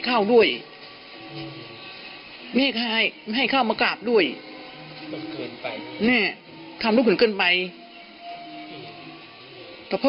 เข้าด้วยไม่ให้เข้ามากราบด้วยทำลูกเกินเกินไปแต่พ่อ